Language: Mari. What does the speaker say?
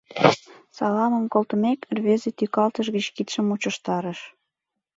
Саламым колтымек, рвезе тӱкалтыш гыч кидшым мучыштарыш.